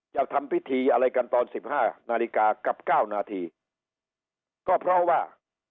จะทำพิธีอะไรกันตอนสิบห้านาฬิกากับเก้านาทีก็เพราะว่า